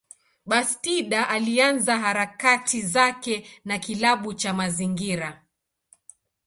Bastida alianza harakati zake na kilabu cha mazingira.